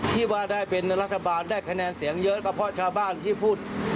ที่ว่าได้เป็นรัฐบาลได้คะแนนเสียงเยอะก็เพราะชาวบ้านที่พูด